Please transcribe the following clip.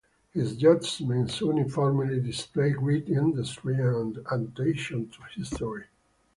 His judgments uniformly displayed great industry and attention to history.